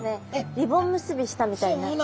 リボン結びしたみたいになって。